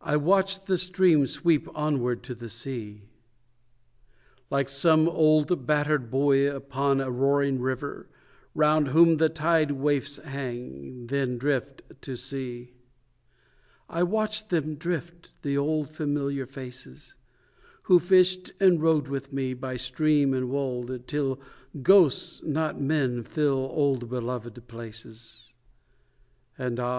I watch the stream sweep onward to the sea, Like some old battered buoy upon a roaring river, Round whom the tide waifs hang then drift to sea. I watch them drift the old familiar faces, Who fished and rode with me, by stream and wold, Till ghosts, not men, fill old beloved places, And, ah!